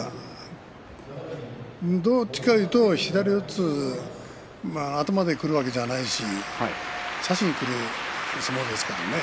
どちらかというと左四つ頭からくるわけではないし差しにくる相撲ですからね